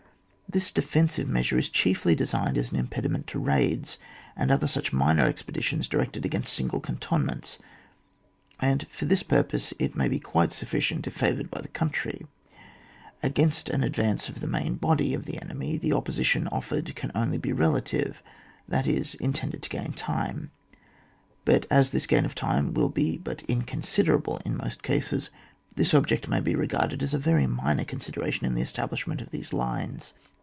This defensive measure is chiefly de« signed as an impediment to raids, and other such minor expeditions directed against single cantonments, and for this purpose it may be quite sufBciont if fa voured by the country. Against an ad vance of the main body of the enemy the opposition offered can be only relative, that is, intended to gain time : but as this gain of time will be but inconsiderable in most cases, this object may be regarded as a very minor consideration in Uie es tablishment of these lines.